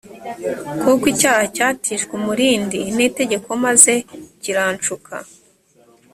kuko icyaha cyatijwe umurindi n itegeko maze kiranshuka